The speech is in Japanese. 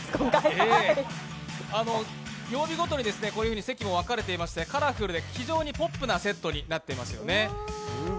曜日ごとに席も分かれていまして、カラフルで非常にポップなセットとなっていますよね。